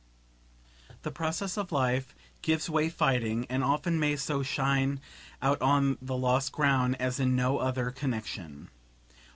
The process of life gives way fighting, and often may so shine out on the lost ground as in no other connexion.